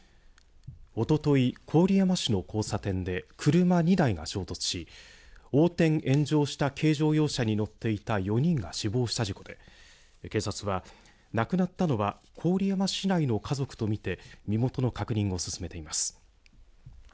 おととい、郡山市の交差点で車２台が衝突し横転、炎上した軽乗用車に乗っていた４人が死亡した事故で警察は、亡くなったのは郡山市内の家族と見て身元の確認を進めています。